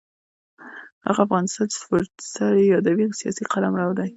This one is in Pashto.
هغه افغانستان چې فورسټر یې یادوي سیاسي قلمرو دی.